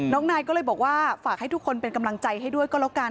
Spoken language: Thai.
นายก็เลยบอกว่าฝากให้ทุกคนเป็นกำลังใจให้ด้วยก็แล้วกัน